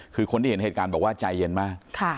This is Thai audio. คือคนที่เห็นเหตุการณ์บอกว่าใจเย็นมาก